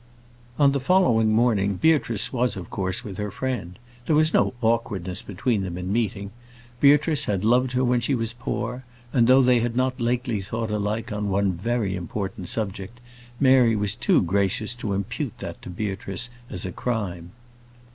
On the following morning, Beatrice was of course with her friend. There was no awkwardness between them in meeting. Beatrice had loved her when she was poor, and though they had not lately thought alike on one very important subject, Mary was too gracious to impute that to Beatrice as a crime.